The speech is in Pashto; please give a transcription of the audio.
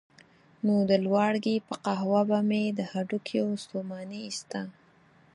نو د لواړګي په قهوه به مې له هډوکیو ستوماني ایسته.